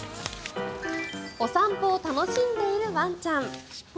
お散歩を楽しんでいるワンちゃん。